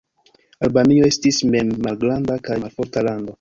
Albanio estis mem malgranda kaj malforta lando.